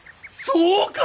そうか！